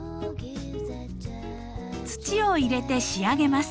土を入れて仕上げます。